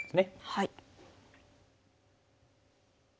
はい。